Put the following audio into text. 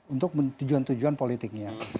untuk tujuan tujuan politiknya